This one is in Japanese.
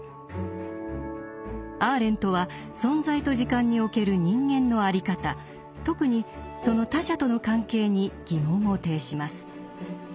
アーレントは「存在と時間」における人間のあり方特にその他者との関係に疑問を呈します。